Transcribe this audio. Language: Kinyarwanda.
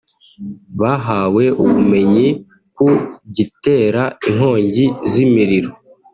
bahawe ubumenyi ku gitera inkongi z’imiriro